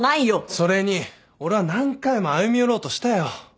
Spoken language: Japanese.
それに俺は何回も歩み寄ろうとしたよ。